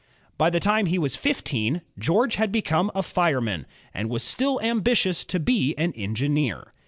By the time he was fifteen George had become a fire man, and was still ambitious to be an engineer.